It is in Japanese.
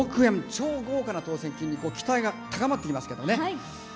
超豪華な当せん金に期待が高まっていきますね。